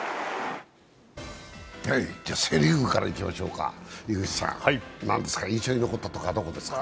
セ・リーグからいきましょうか、井口さん印象に残ったところはどこですか？